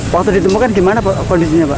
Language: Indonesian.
waktu ditemukan gimana pak kondisinya pak